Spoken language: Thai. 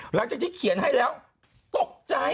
หลังจากที่เขียนให้แล้วตกใจ